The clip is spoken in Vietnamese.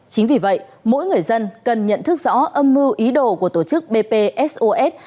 chính vì vậy mỗi người dân cần nhận thức rõ âm mưu ý đồ của tổ chức bpsos